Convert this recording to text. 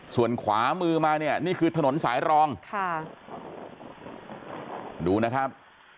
ส่วนขวามือมาเนี่ยนี่คือถนนสายรองค่ะดูนะครับ